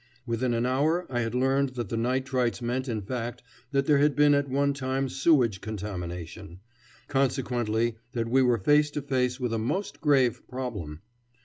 Within an hour I had learned that the nitrites meant in fact that there had been at one time sewage contamination; consequently that we were face to face with a most grave problem.